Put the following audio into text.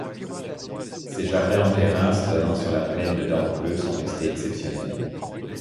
Ses jardins en terrasse donnant sur la plaine de Dampleux sont restés exceptionnels.